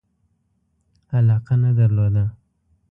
علاقه نه درلوده.